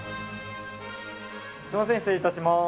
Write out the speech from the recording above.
すいません、失礼いたします。